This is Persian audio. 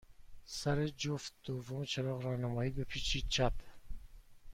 سر جفت دوم چراغ راهنمایی، بپیچید چپ.